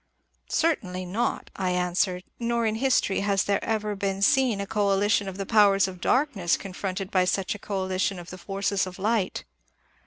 Certainly not, I answered, nor in history has there ever been seen a coalition of the powers of lig^ylmAgfl confronted by such a coalition of the forces of light.